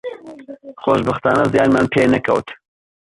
خۆشبەختانە زیانمان پێ نەکەوت